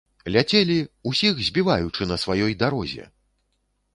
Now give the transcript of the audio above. Ляцелі, усіх збіваючы на сваёй дарозе!